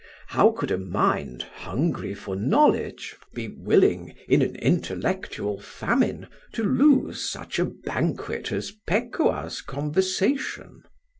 How could a mind, hungry for knowledge, be willing, in an intellectual famine, to lose such a banquet as Pekuah's conversation?"